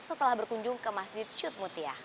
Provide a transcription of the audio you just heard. setelah berkunjung ke masjid jud mutia